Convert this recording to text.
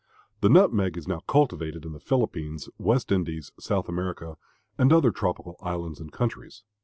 The nutmeg is now cultivated in the Philippines, West Indies, South America, and other tropical islands and countries.